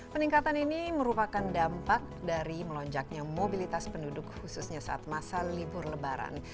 peningkatan ini merupakan dampak dari melonjaknya mobilitas penduduk khususnya saat masa libur lebaran